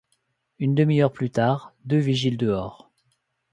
Une demi-heure plus tard : Deux vigiles dehors.